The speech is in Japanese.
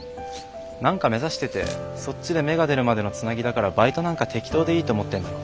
何か目指しててそっちで芽が出るまでのつなぎだからバイトなんか適当でいいと思ってるんだろ。